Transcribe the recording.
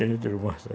ini di rumah saya